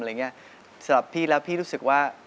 สำหรับพี่แล้วพี่รู้สึกว่า